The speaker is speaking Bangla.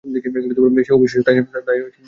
সে অবিশ্বাস্য, তাই না, মিওলনির?